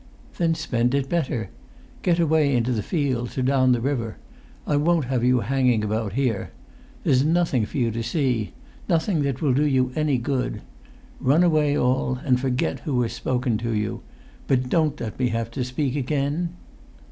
"Then spend it better. Get away into the fields, or down the river. I won't have you hanging about here. There's nothing for you to see—nothing that will do you any good. Run away all, and forget who has spoken to you. But don't let me have to speak again!"